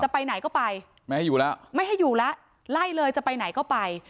ไปไหนก็ไปไม่ให้อยู่แล้วไม่ให้อยู่แล้วไล่เลยจะไปไหนก็ไป